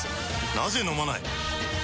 なぜ飲まない？